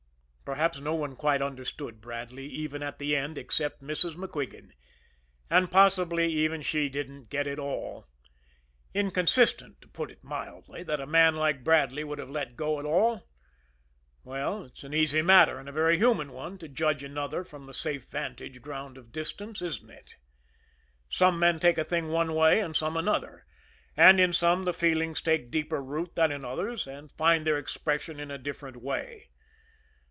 Perhaps no one quite understood Bradley, even at the end, except Mrs. MacQuigan; and possibly even she didn't get it all. Inconsistent, to put it mildly, that a man like Bradley would have let go at all? Well, it's an easy matter and a very human one, to judge another from the safe vantage ground of distance isn't it? Some men take a thing one way, and some another; and in some the feelings take deeper root than in others and find their expression in a different way.